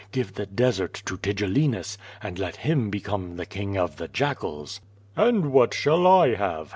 Give the desert to Tigellinus and let him become the king of the jackals." "And what shall I have?"